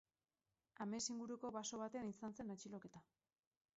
Ames inguruko baso batean izan zen atxiloketa.